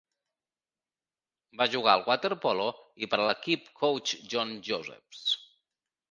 Va jugar al waterpolo i per a l'equip Coach John Josephs.